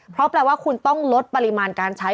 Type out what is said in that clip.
เพราะแปลว่าคุณต้องลดปริมาณการใช้